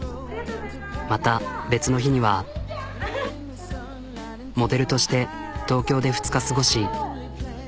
また別の日にはモデルとして東京で２日過ごし。